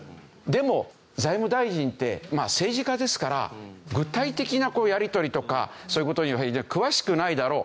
でも財務大臣って政治家ですから具体的なやり取りとかそういう事において詳しくないだろう。